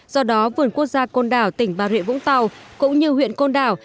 do đó vườn quốc gia côn đảo tỉnh bà rịa vũng tàu cũng như huyện côn đảo